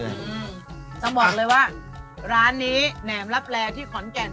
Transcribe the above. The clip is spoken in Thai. ต้องบอกเลยว่าร้านนี้แหนมลับแลที่ขอนแก่น